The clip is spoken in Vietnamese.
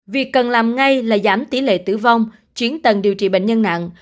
việc cần làm ngay là giảm tỷ lệ tử vong chiến tầng điều trị bệnh nhân nặng